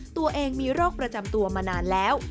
ตัวเองมีโรคประจำตัวมานานแล้ว